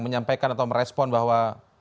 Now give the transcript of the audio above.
menyampaikan atau merespon bahwa